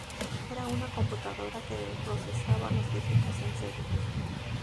Era una computadora que procesaba los dígitos en serie.